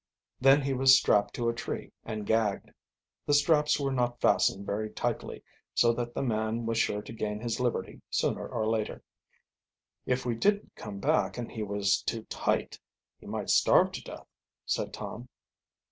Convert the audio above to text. Then he was strapped to a tree and gagged. The straps were not fastened very tightly, so that the man was sure to gain his liberty sooner or later. "If we didn't come back and he was too tight he might starve to death," said Tom.